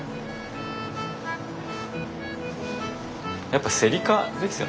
やっぱセリ科ですよね。